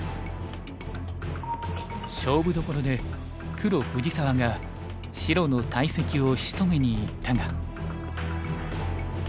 勝負どころで黒藤沢が白の大石を仕留めにいったが。